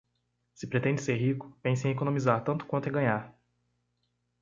Se pretende ser rico, pense em economizar tanto quanto em ganhar.